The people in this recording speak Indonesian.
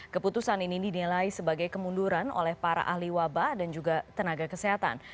keputusan ini dinilai sebagai kemunduran oleh para ahli wabah dan juga tenaga kesehatan